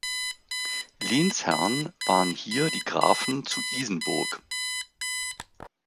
Lehnsherrn waren hier die Grafen zu Isenburg.